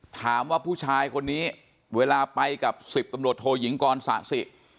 ถามว่าผู้ชายคนนี้เวลาไปกับ๑๐ตำรวจโทยิงกรสะสิ